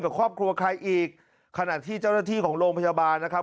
กับครอบครัวใครอีกขณะที่เจ้าหน้าที่ของโรงพยาบาลนะครับ